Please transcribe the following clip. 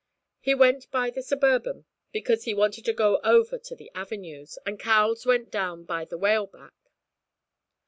He went by the Suburban, because he wanted to go over to the avenues, and Cowles went down by the Whaleback.'